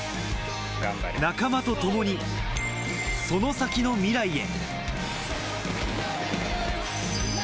仲間と共にその先の未来へ。